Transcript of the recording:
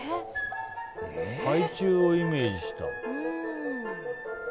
海中をイメージした。